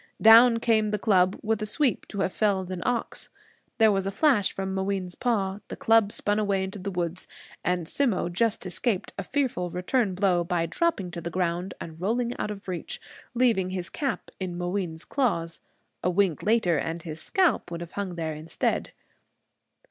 Down came the club with a sweep to have felled an ox. There was a flash from Mooween's paw; the club spun away into the woods; and Simmo just escaped a fearful return blow by dropping to the ground and rolling out of reach, leaving his cap in Mooween's claws. A wink later, and his scalp would have hung there instead.